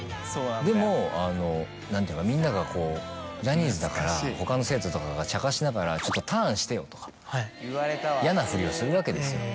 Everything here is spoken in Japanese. でもあの何ていうかみんながこうジャニーズだから他の生徒とかがちゃかしながら。とか嫌なふりをするわけですよ。